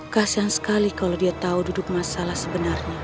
kasian sekali kalau dia tahu duduk masalah sebenarnya